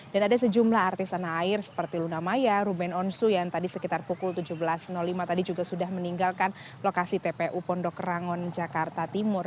dan ada sejumlah artis tanah air seperti luna maya ruben onsu yang tadi sekitar pukul tujuh belas lima tadi juga sudah meninggalkan lokasi tpu pondok rangon jakarta timur